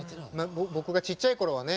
僕がちっちゃい頃はね